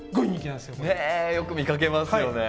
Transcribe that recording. よく見かけますよね。